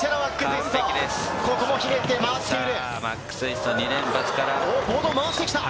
ここも、ひねって回している。